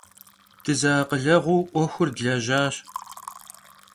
Dızeakhıleğuu 'uexur dlejaş.